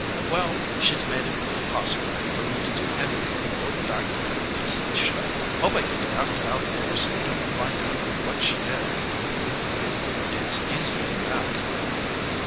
Well, she s made it impossible for me to do any thing but go back to that beastly show. Hope I get drafted out there so they don t find out what she did." "It s easier than that."